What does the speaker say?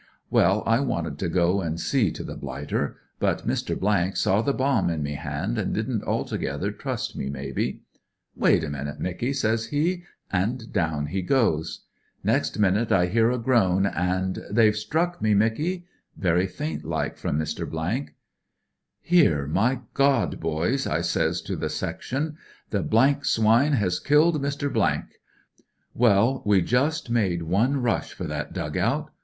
" Well, I wanted to go and see to the blighter, but Mr. saw the bomb m me hand, and didn't altogether trust me, maybe. *Wait a minute, Micky,' says he; an' down he goes. Nex' minute I heard a groan, an'—* They've stuck me, Micky,' very faint like, from Mr. "* Here, my God, boysl ' I says to the 226 (i IT'S A GR^AT DO " section, Mr. —* the swine has killed * Well, we just made one rush for that dug out.